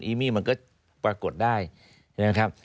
อีมี่มันก็ปรากฏได้ใช่ไหมครับ